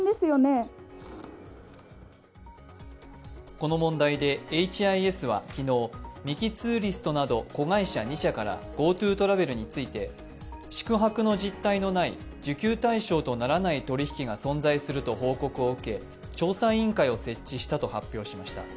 この問題でエイチ・アイ・エスは昨日、ミキ・ツーリストなど子会社２社からＧｏＴｏトラベルについて、宿泊の実態のない受給対象とならない取り引きが存在すると報告を受け、調査委員会を設置したと発表しました。